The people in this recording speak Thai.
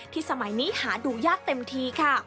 สมัยนี้หาดูยากเต็มทีค่ะ